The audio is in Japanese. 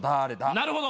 なるほど。